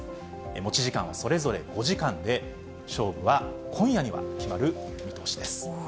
持ち時間はそれぞれ５時間で、勝負は今夜には決まる見通しです。